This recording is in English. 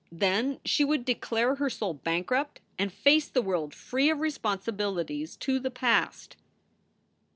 Then she would declare her soul bankrupt and face the world free of responsibilities to the past.